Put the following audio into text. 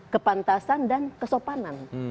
kepantasan dan kesopanan